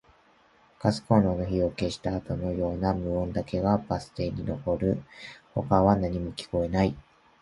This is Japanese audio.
ガスコンロの火を消したあとのような無音だけがバス停に残る。他は何も聞こえない。